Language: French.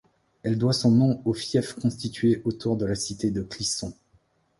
Elle doit son nom aux fief constitué autour de la cité de Clisson.